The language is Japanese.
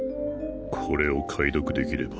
これを解読できれば